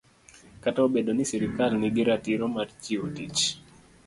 Kata obedo ni sirkal nigi ratiro mar chiwo mich